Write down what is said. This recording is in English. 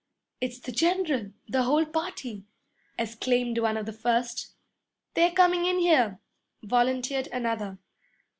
'It's the general the whole party!' exclaimed one of the first. 'They're coming in here,' volunteered another.